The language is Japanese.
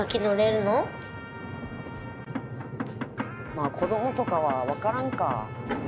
「まあ子どもとかはわからんか」